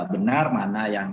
benar mana yang